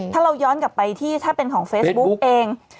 ถ้าเราย้อนกลับไปที่ถ้าเป็นของเฟซบุ๊กเอง